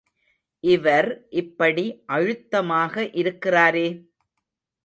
இவர் இப்படி அழுத்தமாக இருக்கிறாரே?....